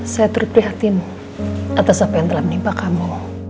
saya turut prihatin atas apa yang telah menimpa kamu